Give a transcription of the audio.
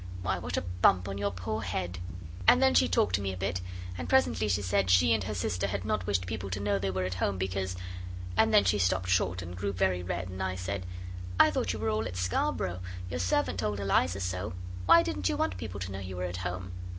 Why, what a bump on your poor head!' And then she talked to me a bit, and presently she said she and her sister had not wished people to know they were at home, because And then she stopped short and grew very red, and I said, 'I thought you were all at Scarborough; your servant told Eliza so. Why didn't you want people to know you were at home?